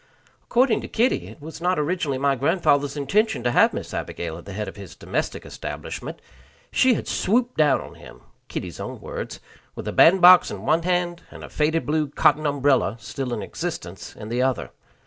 According to Kitty, it was not originally my grandfather's intention to have Miss Abigail at the head of his domestic establishment. She had swooped down on him (Kitty's own words), with a band box in one hand and a faded blue cotton umbrella, still in existence, in the other.